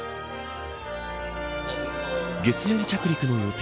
月面着陸の予定